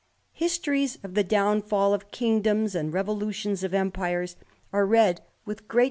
Histories of the downfall of kingdoms, and revolutions of empires, are read with great THE RAMBLER.